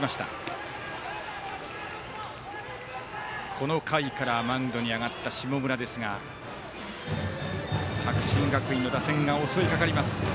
この回からマウンドに上がった下村ですが作新学院の打線が襲いかかります。